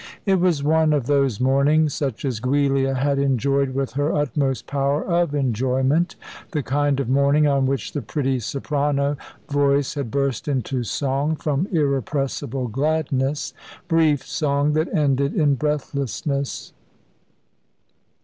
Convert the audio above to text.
It was one of those mornings such as Giulia had enjoyed with her utmost power of enjoyment, the kind of morning on which the pretty soprano voice had burst into song, from irrepressible gladness brief song that ended in breathlessness.